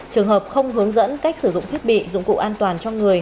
trường hợp không hướng dẫn cách sử dụng thiết bị dụng cụ an toàn cho người